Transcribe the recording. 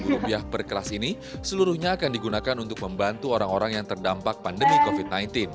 rp lima per kelas ini seluruhnya akan digunakan untuk membantu orang orang yang terdampak pandemi covid sembilan belas